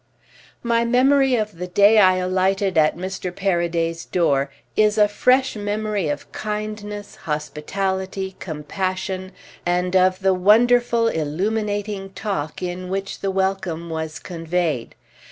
My memory of the day I alighted at Mr. Paraday's door is a fresh memory of kindness, hospitality, compassion, and of the wonderful illuminating talk in which the welcome was conveyed.